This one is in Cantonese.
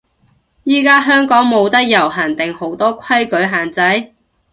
依家香港冇得遊行定好多規矩限制？